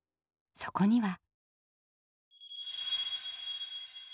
そこには。